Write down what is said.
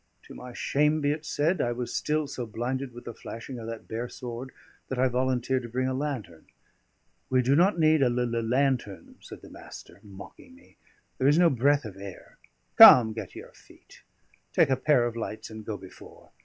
To my shame be it said, I was still so blinded with the flashing of that bare sword that I volunteered to bring a lantern. "We do not need a l l lantern," says the Master, mocking me. "There is no breath of air. Come, get to your feet, take a pair of lights, and go before.